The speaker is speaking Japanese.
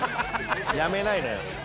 やめないのよ。